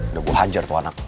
udah gue hajar tuh anak